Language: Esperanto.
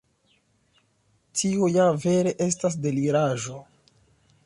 Tio ja vere estas deliraĵo.